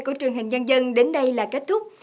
của truyền hình nhân dân đến đây là kết thúc